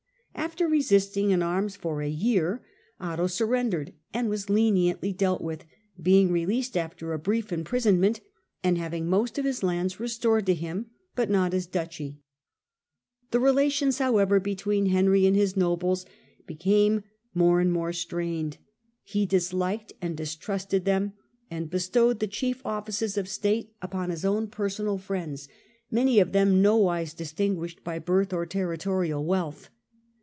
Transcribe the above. After re sisting in arms for a year. Otto surrendered and was leniently dealt with, being released after a brief im prisonment and having most of his lands restored to him, but not his duchy. The relations, however, between Henry and his nobles became more and more strained ; he disliked and distrusted them, and bestowed the chief offices of state Digitized by VjOOQIC First Six Years of the Reign of Henry IV. 77 upon his own personal friends, many of them nowise distinguished by birth or territorial wealth.